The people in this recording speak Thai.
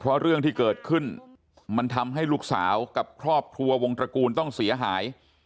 เพราะเรื่องที่เกิดขึ้นมันทำให้ลูกสาวกับครอบครัววงตระกูลต้องเสียหาย